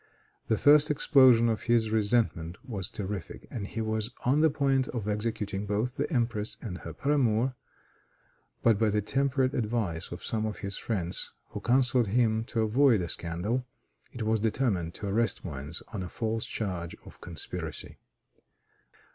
The first explosion of his resentment was terrific, and he was on the point of executing both the empress and her paramour, but by the temperate advice of some of his friends, who counseled him to avoid a scandal, it was determined to arrest Moens on a false charge of conspiracy.